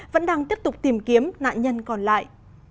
vẫn đang tiếp tục tìm kiếm nạn nhân còn lại